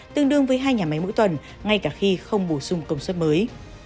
tương đương với hai nhà máy mỗi tuần ngay cả khi không bổ sung công suất mới